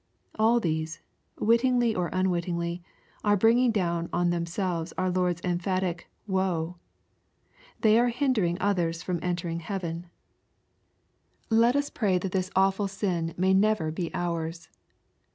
All these, wittingly or unwittingly, are bringing down on ihcn^selves our Lord's emphatic " woe." They are hindering others from entering heaven 1 LUKE^ CHAP. XI. &b Let us pray that this awful sio may never be ours.